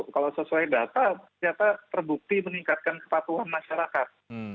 kalau sesuai data ternyata terbukti meningkatkan kepatuhan masyarakat